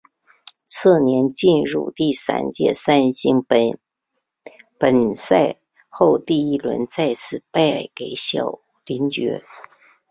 次年进入第三届三星杯本赛后第一轮再次败给小林觉。